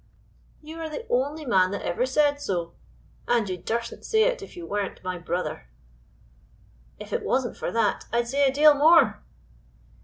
"You are the only man that ever said so; and you durstn't say it if you weren't my brother." "If it wasn't for that, I'd say a deal more."